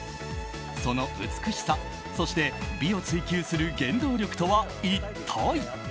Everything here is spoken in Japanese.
その美しさ、そして美を追求する原動力とは一体。